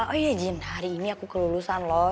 oh iya jin hari ini aku kelulusan loh